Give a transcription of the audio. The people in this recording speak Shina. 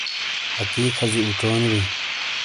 اکی کھازی اوچونی بئیں